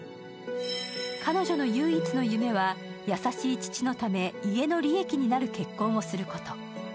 彼女の唯一の夢は、優しい父のため家の利益になる結婚をすること。